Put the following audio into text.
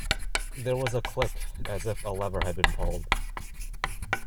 There was a click as if a lever had been pulled.